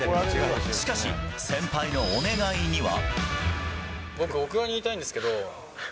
しかし、先輩のお願いには。